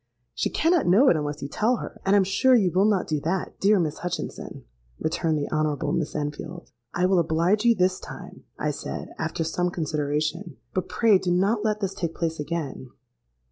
—'She cannot know it unless you tell her; and I am sure you will not do that, dear Miss Hutchinson,' returned the Honourable Miss Enfield.—'I will oblige you this time,' I said, after some consideration; 'but pray do not let this take place again.'